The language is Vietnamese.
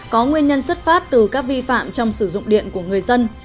có nguyên nhân xuất phát từ các vi phạm trong sử dụng điện của người dân